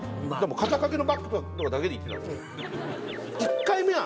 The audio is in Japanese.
肩がけのバッグとかだけで行ってたんですよ。